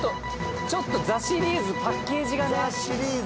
ちょっとザ★シリーズパッケージがね。